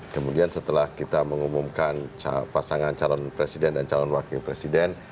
kemudian setelah kita mengumumkan pasangan calon presiden dan calon wakil presiden